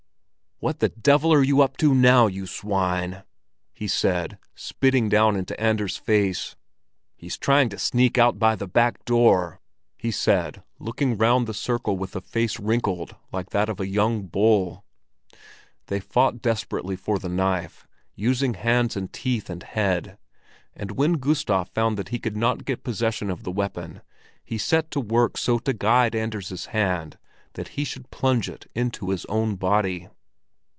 "What the devil are you up to now, you swine?" he said, spitting down into Anders' face. "He's trying to sneak out by the back door!" he said, looking round the circle with a face wrinkled like that of a young bull. They fought desperately for the knife, using hands and teeth and head; and when Gustav found that he could not get possession of the weapon, he set to work so to guide Anders' hand that he should plunge it into his own body.